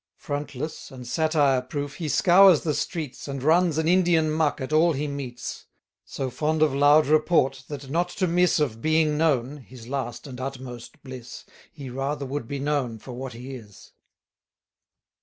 Frontless, and satire proof, he scours the streets, And runs an Indian muck at all he meets. So fond of loud report, that not to miss 1190 Of being known (his last and utmost bliss) He rather would be known for what he is.